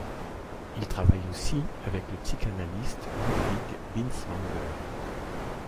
Il travaille aussi avec le psychanalyste Ludwig Binswanger.